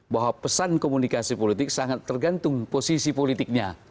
bahwa pesan komunikasi politik sangat tergantung posisi politiknya